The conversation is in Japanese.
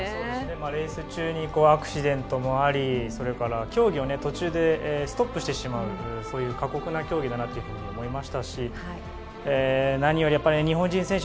レース中にアクシデントもありそれから競技を途中でストップしてしまうそういう過酷な競技だなって思いましたし何より日本人選手